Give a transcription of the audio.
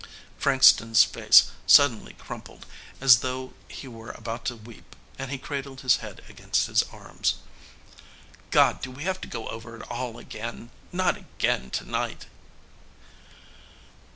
Frankston's face suddenly crumpled as though he were about to weep and he cradled his head against his arms. "God, do we have to go over it all again? Not again tonight!"